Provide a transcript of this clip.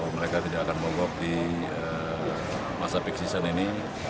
mereka tidak akan mogok di masa peak season ini